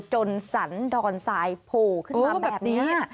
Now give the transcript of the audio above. สันดอนทรายโผล่ขึ้นมาแบบนี้